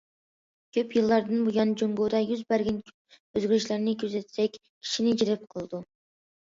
كۆپ يىللاردىن بۇيان جۇڭگودا يۈز بەرگەن ئۆزگىرىشلەرنى كۆزەتسەك كىشىنى جەلپ قىلىدۇ.